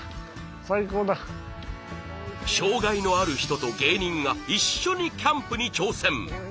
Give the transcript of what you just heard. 障害のある人と芸人が一緒にキャンプに挑戦。